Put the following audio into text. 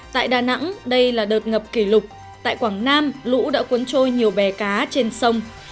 tại đà nẵng đây là đợt ngập kỷ lục tại quảng nam lũ đã cuốn trôi nhiều bè cá trên sông